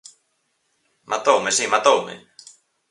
Matoume, si, matoume!